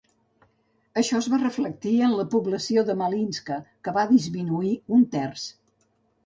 Això es va reflectir en la població de Malinska, que va disminuir un terç.